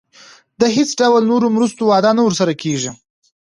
د هیڅ ډول نورو مرستو وعده نه ورسره کېږي.